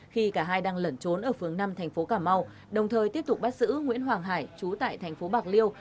khi cả hai đang lẩn trốn ở phương năm tp cà mau đồng thời tiếp tục bắt giữ nguyễn hoàng hải chú tại tp bạc liêu